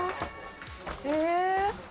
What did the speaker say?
え。